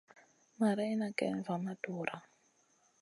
Marayna kayn va ma dura.